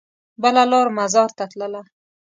بله لار مزار ته تلله.